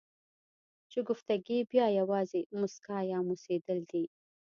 شګفتګي بیا یوازې مسکا یا موسېدل دي.